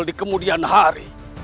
di kemudian hari